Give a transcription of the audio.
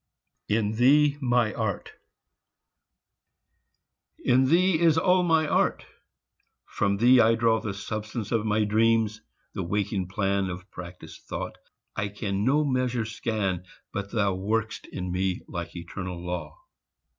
IN THEE MY ART In thee is all my art; from thee I draw The substance of my dreams, the waking plan Of practised thought; I can no measure scan, But thou work'st in me like eternal law.